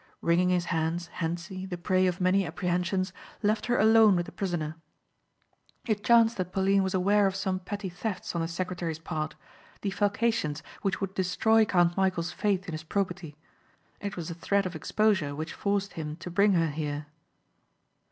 Wringing his hands Hentzi, the prey of many apprehensions, left her alone with the prisoner. It chanced that Pauline was aware of some petty thefts on the secretary's part, defalcations which would destroy Count Michæl's faith in his probity. It was a threat of exposure which forced him to bring her here.